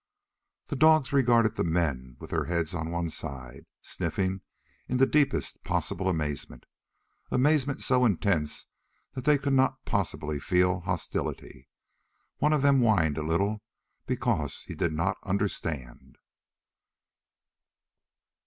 The dogs regarded the men with their heads on one side, sniffing in the deepest possible amazement, amazement so intense that they could not possibly feel hostility. One of them whined a little because he did not understand.